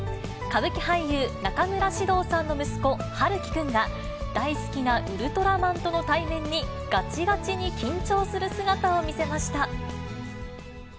歌舞伎俳優、中村獅童さんの息子、陽喜くんが、大好きなウルトラマンとの対面に、がちがちに緊張する姿を見せました。